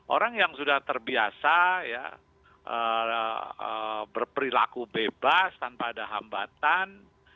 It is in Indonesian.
orang yang sudah terbiasa berperilaku bebas tanpa ada hambatan